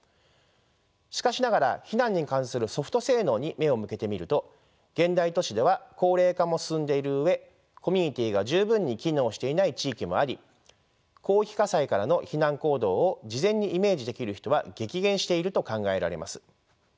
しかしながら避難に関するソフト性能に目を向けてみると現代都市では高齢化も進んでいる上コミュニティーが十分に機能していない地域もあり広域火災からの避難行動を事前にイメージできる人は激減していると考えられます。